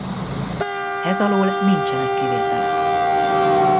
Ez alól nincsenek kivételek.